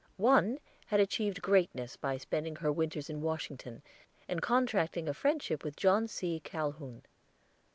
One had achieved greatness by spending her winters in Washington, and contracting a friendship with John C. Calhoun.